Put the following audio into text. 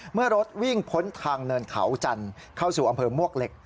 เมื่อรถวิ่งพ้นทางเนินเขาจันทร์เข้าสู่อำเภอมวกเหล็ก